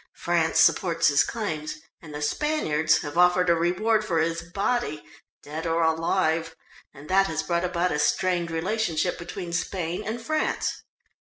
France supports his claims, and the Spaniards have offered a reward for his body, dead or alive, and that has brought about a strained relationship between Spain and France."